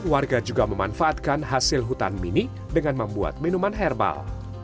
warga juga memanfaatkan hasil hutan mini dengan membuat minuman herbal